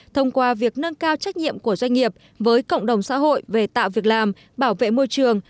thông qua việc nâng cao trách nhiệm của doanh nghiệp với cộng đồng xã hội về tạo việc làm bảo vệ môi trường